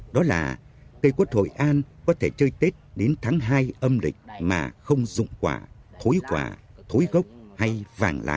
đó là cây quất hội an có thể chơi tết đến tháng hai âm lịch mà không dụng quả thối quả thối gốc hay vàng lá